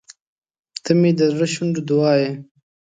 • ته مې د زړه شونډو دعا یې.